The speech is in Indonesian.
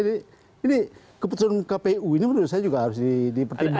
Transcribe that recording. ini keputusan kpu ini menurut saya juga harus dipertimbangkan